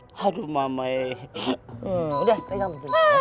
hmm udah pegang